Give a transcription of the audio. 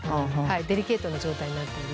デリケートな状態になっている。